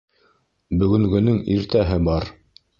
Бөгөнгөнөң иртәһе бар.